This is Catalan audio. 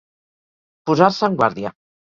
Posar-se en guàrdia.